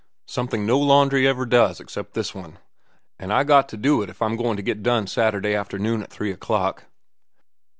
"Something no laundry ever does, except this one. An' I got to do it if I'm goin' to get done Saturday afternoon at three o'clock.